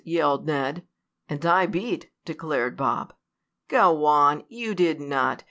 yelled Ned. "And I beat!" declared Bob. "Go on! You did not!